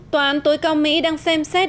tòa án tối cao mỹ đang xem xét